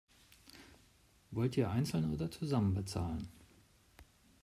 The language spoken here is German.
Wollt ihr einzeln oder zusammen bezahlen?